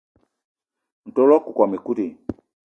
Ntol wakokóm ekut i?